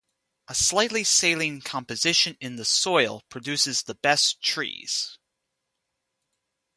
A slightly saline composition in the soil produces the best trees.